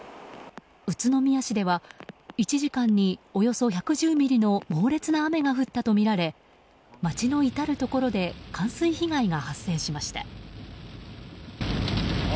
宇都宮市では１時間におよそ１１０ミリの猛烈な雨が降ったとみられ街の至るところで冠水被害が発生しました。